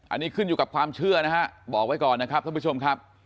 อันนี้ขึ้นอยู่กับความเชื่อนะฮะบอกไว้ก่อนนะครับท่านผู้ชมครับ